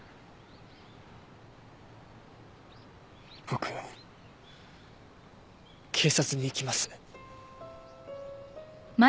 僕警察に行きます。